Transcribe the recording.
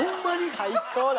最高だな。